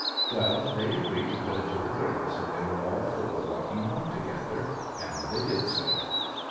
'Well, they agreed to put it to the girls when they were all four walking home together. And they did so.